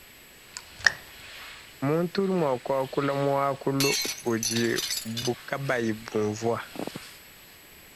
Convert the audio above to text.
Muntu udi wakuala muakulu udibu kabayi bunvua.